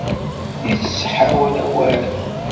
Yettḥawal awal